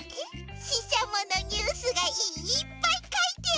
ししゃものニュースがいっぱいかいてあるの！